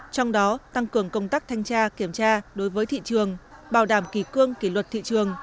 trong đó tăng cường công tác thanh tra kiểm tra đối với thị trường bảo đảm kỳ cương kỳ luật thị trường